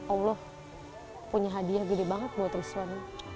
allah punya hadiah gede banget buat ruslani